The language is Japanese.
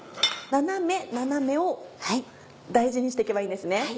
斜め斜めを大事にして行けばいいんですね。